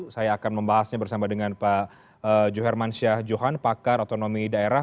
saya akan membahasnya bersama dengan pak juhermansyah johan pakar otonomi daerah